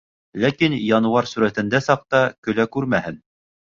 Ләкин януар сүрәтендә саҡта көлә күрмәһен.